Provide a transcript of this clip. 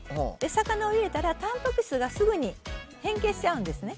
魚を入れたら、たんぱく質がすぐに変形しちゃうんですね。